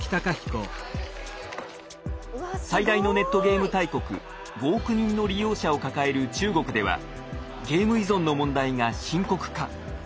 最大のネットゲーム大国５億人の利用者を抱える中国ではゲーム依存の問題が深刻化。